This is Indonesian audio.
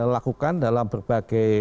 lakukan dalam berbagai